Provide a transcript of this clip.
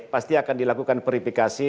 pasti akan dilakukan verifikasi